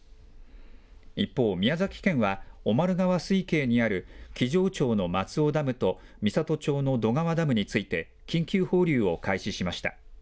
一方、宮崎県は、小丸川水系にある木城町の松尾ダムと美郷町の渡川ダムについて、緊急放流を開始しました。